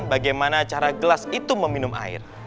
bagaimana cara gelas itu meminum air